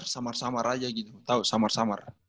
samar samar aja gitu tahu samar samar